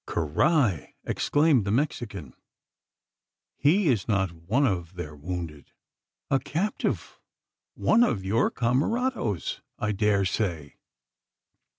"Carrai!" exclaimed the Mexican, "he is not one of their wounded. A captive! One of your camarados, I dare say?"